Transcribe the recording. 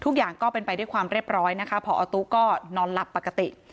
ทุกอย่างก็เป็นไปด้วยความเรียบร้อยนะคะพอตู้ก็นอนหลับปกติ